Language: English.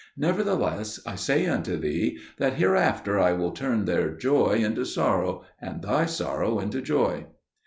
Nevertheless I say unto thee, that hereafter I will turn their joy into sorrow, and thy sorrow into joy."